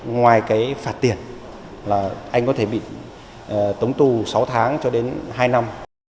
ngoài cái phạt tiền là anh có thể bị tống tù sáu tháng cho đến hai năm